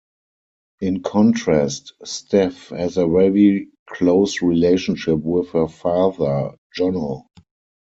In contrast, Steph has a very close relationship with her father, Johnno.